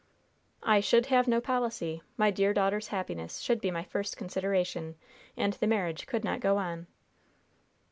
"I should have no policy. My dear daughter's happiness should be my first consideration, and the marriage could not go on."